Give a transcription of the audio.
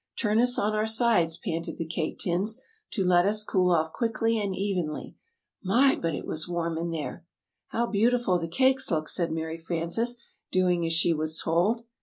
"Turn us on our sides," panted the Cake Tins, "to let us cool off quickly and evenly. My, but it was warm in there!" "How beautiful the cakes look!" said Mary Frances, doing as she was told.